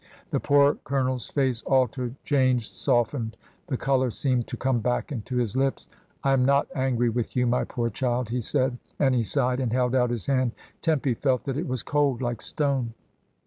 The poor Colonel's face altered, changed, softened, the colour seemed to come back into his lips. "I am not angry with you, my poor child," be said, and he sighed, and held out his hand. Tempy felt that it was cold like stone.